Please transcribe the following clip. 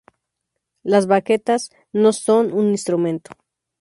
Las baquetas no son un instrumento.